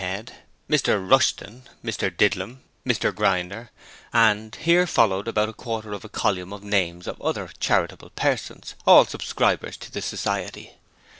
Head, Mr Rushton, Mr Didlum, Mr Grinder and (here followed about a quarter of a column of names of other charitable persons, all subscribers to the Society).